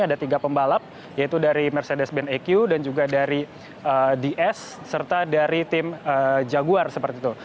ada tiga pembalap yaitu dari mercedes ben eq dan juga dari ds serta dari tim jaguar seperti itu